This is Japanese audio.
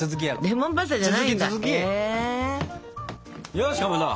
よしかまど。